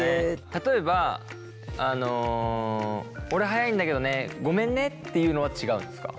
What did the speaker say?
例えば俺速いんだけどねごめんねっていうのは違うんですか？